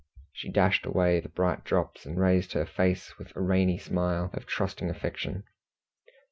She dashed away the bright drops, and raised her face with a rainy smile of trusting affection.